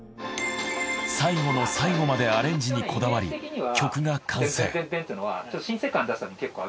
最後の最後までアレンジにこだわり曲が完成。